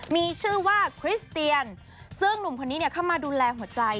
มีชื่อว่าคริสเตียนซึ่งหนุ่มคนนี้เข้ามาดูแลหัวใจ